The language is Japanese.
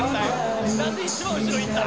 なんで一番後ろ行った？